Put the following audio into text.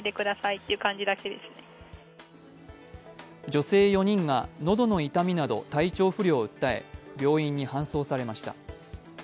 女性４人が喉の痛みなど、体調不良を訴え病院に搬送されました。